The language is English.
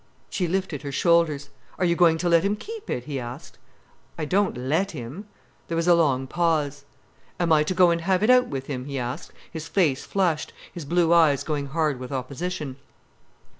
She lifted her shoulders. "Are you going to let him keep it?" he asked. "I don't let him." There was a long pause. "Am I to go and have it out with him?" he asked, his face flushed, his blue eyes going hard with opposition.